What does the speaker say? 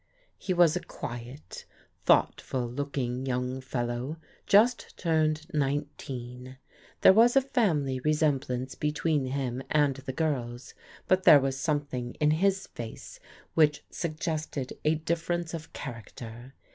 He was a quiet, thoughtful looking young fellow, just turned nineteen. There was a family resemblance be tween him and the girls, but there was something in his face which suggested a difference of character.